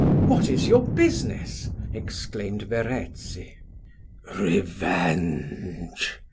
"What is your business?" exclaimed Verezzi. "Revenge!"